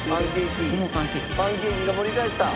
パンケーキが盛り返した。